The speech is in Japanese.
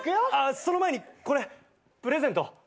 その前にこれプレゼント。